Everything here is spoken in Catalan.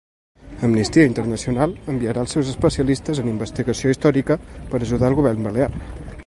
Amnistia Internacional enviarà els seus especialistes en investigació històrica per ajudar al govern balear